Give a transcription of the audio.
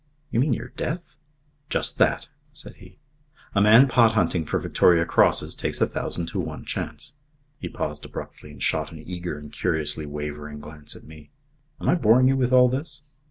"You mean your death?" "Just that," said he. "A man pot hunting for Victoria Crosses takes a thousand to one chance." He paused abruptly and shot an eager and curiously wavering glance at me. "Am I boring you with all this?"